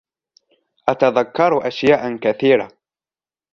أتذكر أشياء كثيرة.